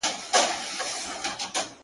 • د زړو کفن کښانو د نیکونو په دعا یو -